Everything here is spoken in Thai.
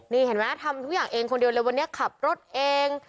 นี่เห็นไหมทำทุกอย่างเองคนเดียวเลยวันนี้ขับรถเอง